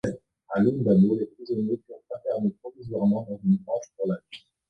A Lundamo, les prisonniers furent internés provisoirement dans une grange pour la nuit.